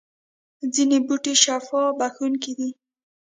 ځینې بوټي شفا بخښونکي دي